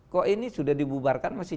kok ini sudah dibubarkan masih